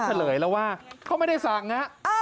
เมื่อกี้พี่ปุ้ยเขาเฉลยครับว่า